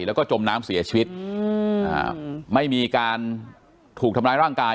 แล้วก็จมน้ำเสียชีวิตอืมอ่าไม่มีการถูกทำร้ายร่างกาย